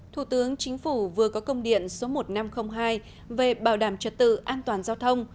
thủ tướng chính phủ vừa có công điện số một nghìn năm trăm linh hai về bảo đảm trật tự an toàn giao thông